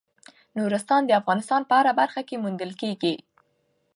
نورستان د افغانستان په هره برخه کې موندل کېږي.